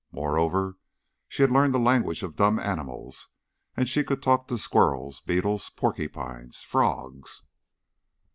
Moreover, she had learned the language of dumb animals and could talk to squirrels, beetles, porcupines, frogs.